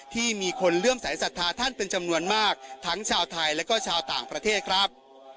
ที่มีคนเลื่อมสายศรัทธาท่านเป็นจำนวนมากทั้งชาวไทยและก็ชาวต่างประเทศครับ